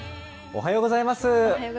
おはようございます。